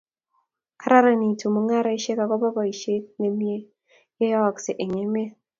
kararanitu mung'aresiek akobo boiset ne mie ne yooksei eng emet.